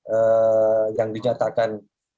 ee yang dinyatakan